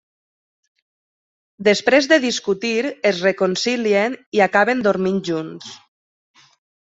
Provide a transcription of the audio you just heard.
Després de discutir, es reconcilien i acaben dormint junts.